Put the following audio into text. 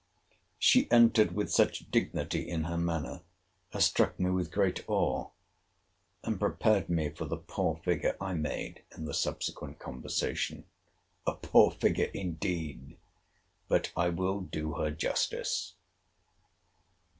She entered with such dignity in her manner as struck me with great awe, and prepared me for the poor figure I made in the subsequent conversation. A poor figure indeed!—But I will do her justice.